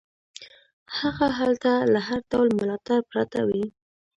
هغه هلته له هر ډول ملاتړ پرته وي.